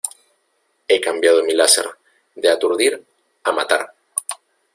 He cambiado mi láser de aturdir a matar.